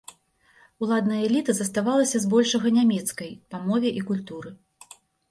Уладная эліта заставалася збольшага нямецкай па мове і культуры.